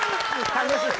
楽しい。